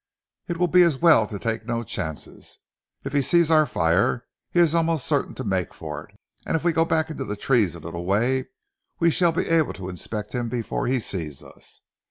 "It will be as well to take no chances. If he sees our fire he is almost certain to make for it, and if we go back in the trees a little way we shall be able to inspect him before he sees us.